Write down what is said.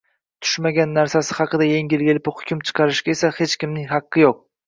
Tushunmagan narsasi haqida yengil-elpi hukm chiqarishga esa hech kimning haqqi yoʼq!